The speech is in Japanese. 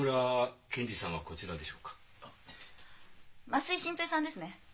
増井新平さんですね？